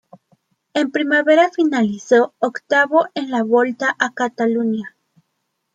En primavera finalizó octavo en la Volta a Catalunya.